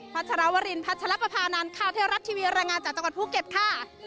ชรวรินพัชรปภานันข่าวเทวรัฐทีวีรายงานจากจังหวัดภูเก็ตค่ะ